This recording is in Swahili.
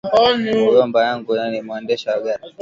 Muyomba yangu ni mwendasha gari